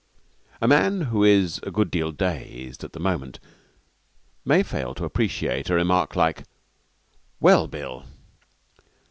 A man who is a good deal dazed at the moment may fail to appreciate a remark like 'Well, Bill?'